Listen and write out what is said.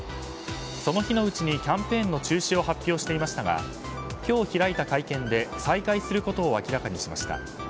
その日のうちにキャンペーンの中止を発表していましたが今日開いた会見で再開することを明らかにしました。